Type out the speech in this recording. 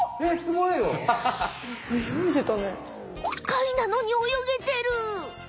貝なのに泳げてる。